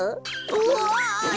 うわ！